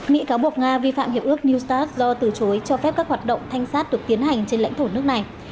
mỹ cáo buộc nga vi phạm hiệp ước new start do từ chối cho phép các hoạt động thanh sát được tiến hành trên lãnh thổ nước này